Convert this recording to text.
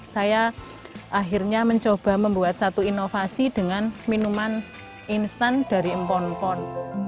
saya akhirnya mencoba membuat satu inovasi dengan minuman instan dari empon pon